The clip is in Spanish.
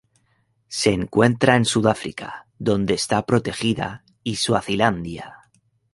Se encuentra en Sudáfrica, donde está protegida, y Swazilandia.